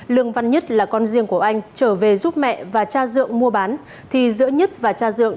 lương văn nhất là con riêng của anh trở về giúp mẹ và cha dượng mua bán thì giữa nhất và cha dượng